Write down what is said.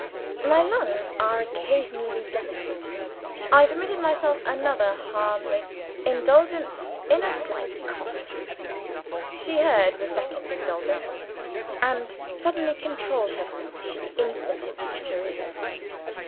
My lungs are occasionally delicate. I permitted myself another harmless indulgence indulgence in a slight cough. She heard the second indulgence and suddenly controlled herself, the instant it reached her ears.